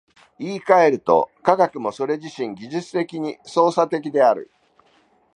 言い換えると、科学もそれ自身技術的で操作的である。